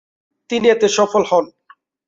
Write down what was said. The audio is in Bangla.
তিনি এতে সফল হন।